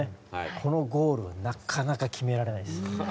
このゴールはなかなか決められないです。